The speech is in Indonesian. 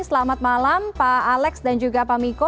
selamat malam pak alex dan juga pak miko